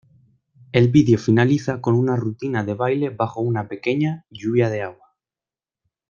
El video finaliza con una rutina de baile bajo una pequeña "lluvia de agua".